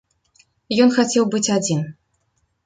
Ён хацеў быць адзін.